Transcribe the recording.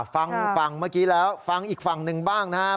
ฟังฝั่งเมื่อกี้แล้วฟังอีกฝั่งหนึ่งบ้างนะครับ